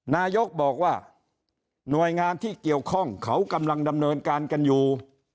นายกบอกว่าหน่วยงานที่เกี่ยวข้องเขากำลังดำเนินการกันอยู่